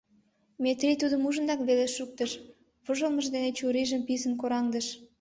Метрий тудым ужынак веле шуктыш, вожылмыж дене чурийжым писын кораҥдыш.